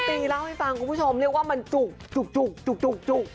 นุ่มตรีเล่าให้ฟังคุณผู้ชมเรียกว่ามันจุกจุกจุกจุกจุกจุก